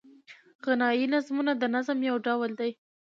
غنايي نظمونه د نظم یو ډول دﺉ.